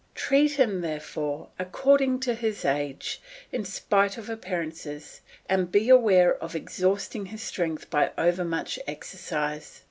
Treat him, therefore, according to his age, in spite of appearances, and beware of exhausting his strength by over much exercise.